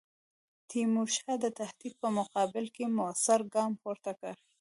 تیمورشاه د تهدید په مقابل کې موثر ګام پورته کړ.